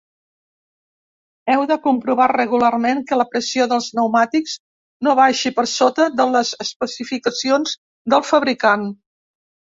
Heu de comprovar regularment que la pressió dels pneumàtics no baixi per sota de les especificacions del fabricant.